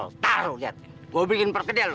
bulekatro taruh liat gua bikin perkedel lu